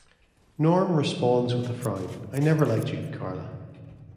Norm responds with a frown, I never liked you, Carla.